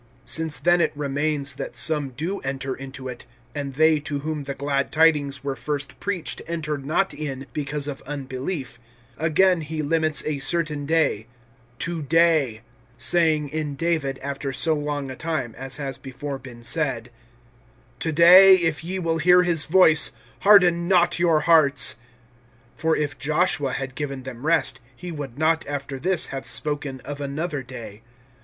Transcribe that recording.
(6)Since then it remains that some do enter into it, and they to whom the glad tidings were first preached entered not in because of unbelief, again (7)he limits a certain day, To day, (saying in David, after so long a time, as has before been said,) To day, if ye will hear his voice, Harden not your hearts. (8)For if Joshua had given them rest, he would not, after this, have spoken of another day.